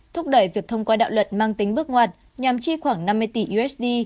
thúc đẩy việc thông qua đạo luật mang tính bước ngoặt nhằm chi khoảng năm mươi tỷ usd